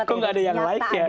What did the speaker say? kok gak ada yang like ya